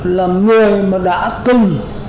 là người mà đã cần